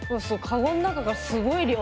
かごの中からすごい量。